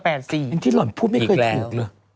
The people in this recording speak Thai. อย่างที่หล่อนพูดไม่เคยถูกเลย